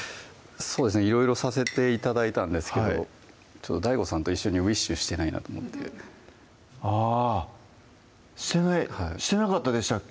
そうですねいろいろさせて頂いたんですけどＤＡＩＧＯさんと一緒に「うぃっしゅ！」してないと思ってあしてないしてなかったでしたっけ？